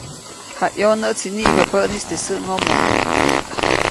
Jayʼonäʼtsi niʼibä päʼnis teʼ säʼŋomo.